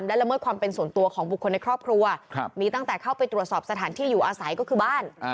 และละเมิดความเป็นส่วนตัวของบุคคลในครอบครัวมีตั้งแต่เข้าไปตรวจสอบสถานที่อยู่อาศัยก็คือบ้าน